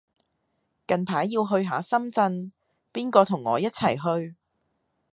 近排要去下深圳，邊個同我一齊去